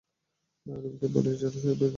রুবিকে বলিস, সে যেন বিব্রত না হয়!